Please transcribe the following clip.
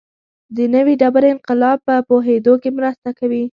د نوې ډبرې انقلاب په پوهېدو کې مرسته کوي.